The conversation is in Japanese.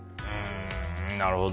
なるほど。